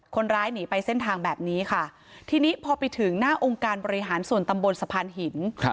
คนร้ายหนีไปเส้นทางแบบนี้ค่ะทีนี้พอไปถึงหน้าองค์การบริหารส่วนตำบลสะพานหิน